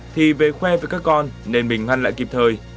thì về khoe với các con nên mình ngăn lại kịp thời